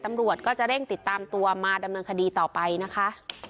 ตำรวจก็จะเร่งติดตามตัวมาดำเนินคดีต่อไปนะคะ